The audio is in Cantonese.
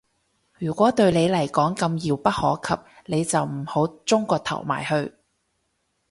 如果對你嚟講咁遙不可及，你就唔好舂個頭埋去